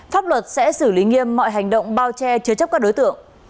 pháp luật sẽ xử lý nghiêm mọi hành động bao che chứa chấp các đối tượng